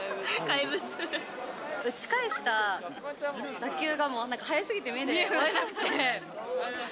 打ち返した打球が、もう速すぎて目で追えなくて、え？